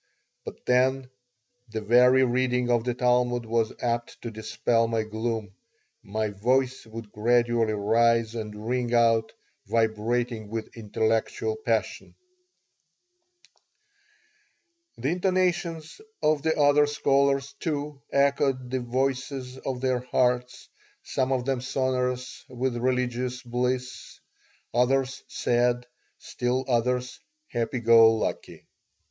But then the very reading of the Talmud was apt to dispel my gloom. My voice would gradually rise and ring out, vibrating with intellectual passion The intonations of the other scholars, too, echoed the voices of their hearts, some of them sonorous with religious bliss, others sad, still others happy go lucky.